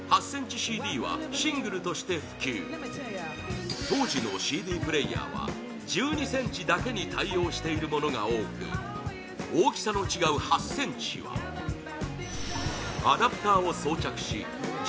ｃｍＣＤはシングルとして普及当時のＣＤプレーヤーは１２ｃｍだけに対応しているものが多く大きさの違う８ｃｍはアダプターを装着し１２